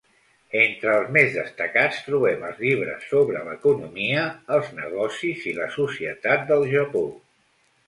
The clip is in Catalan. Entre els més destacats trobem els llibres sobre l'economia, els negocis i la societat del Japó.